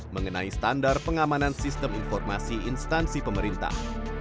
mengenai standar pengamanan sistem informasi instansi pemerintah